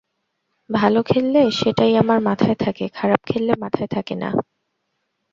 ভালো খেললে সেটাই আমার মাথায় থাকে, খারাপ খেললে মাথায় থাকে না।